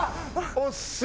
惜しい！